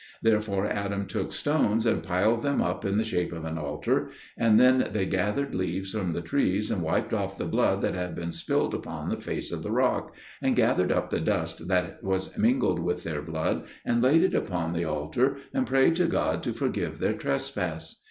Therefore Adam took stones and piled them up in the shape of an altar, and then they gathered leaves from the trees and wiped off the blood that had been spilt upon the face of the rock, and gathered up the dust that was mingled with their blood and laid it upon the altar, and prayed to God to forgive their trespass.